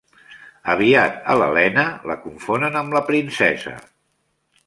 Aviat a l'Helena la confonen amb la princesa.